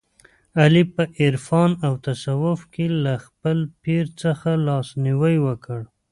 علي په عرفان او تصوف کې له خپل پیر څخه لاس نیوی وکړ.